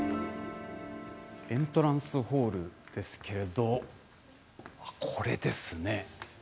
エントランスホールですけれどこれですね。